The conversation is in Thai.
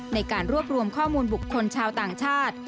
ในการรวบรวมข้อมูลบุคคลชาวต่างชาติ